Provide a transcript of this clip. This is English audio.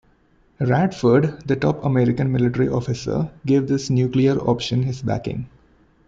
Radford, the top American military officer, gave this nuclear option his backing.